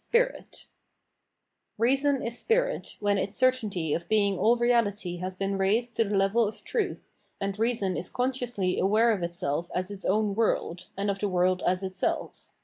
— B VI SPIRIT R eason is spirit, when its certainty of being all reality has been raised to the level of truth, and reason is consciously aware of itself as its own world, and of the world as itself.